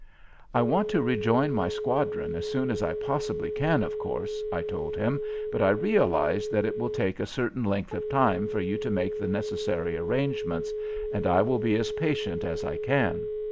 "I want to rejoin my squadron as soon as I possibly can, of course," I told him, "but I realize that it will take a certain length of time for you to make the necessary arrangements, and I will be as patient as I can."